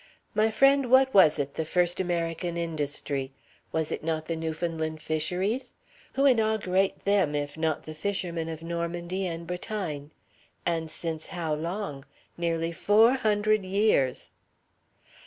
"My friend, what was it, the first American industry? Was it not the Newfoundland fisheries? Who inaugu'ate them, if not the fishermen of Normandy and Bretagne? And since how long? Nearly fo' hundred years!"